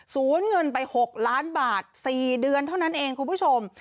ศูนย์เงินไป๖ล้านบาท๔เดือนเท่านั้นเองคุณผู้ชม